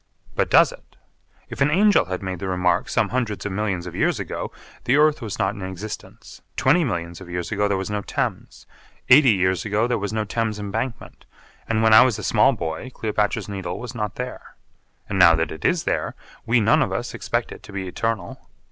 But does it? If an angel had made the remark some hundreds of millions of years ago, the earth was not in existence, twenty millions of years ago there was no Thames, eighty years ago there was no Thames Embankment, and when I was a small boy Cleopatra's Needle was not there. And now that it is there, we none of us expect it to be eternal.